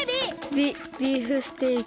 ビビーフステーキ。